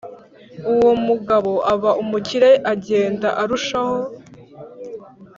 Uwo mugabo aba umukire agenda arushaho